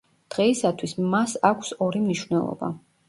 დღეისათვის მას აქვს ორი მნიშვნელობა.